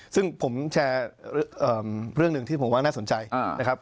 ซึ่งผมแชร์เรื่องหนึ่งที่ผมว่าน่าสนใจนะครับ